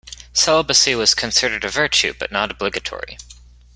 Celibacy was considered a virtue, but not obligatory.